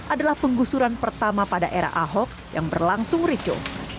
adalah penggusuran pertama pada era ahok yang berlangsung ricu